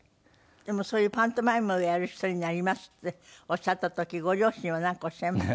でもそういうパントマイムをやる人になりますっておっしゃった時ご両親はなんかおっしゃいました？